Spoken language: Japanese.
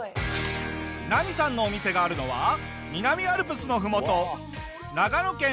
ナミさんのお店があるのは南アルプスのふもと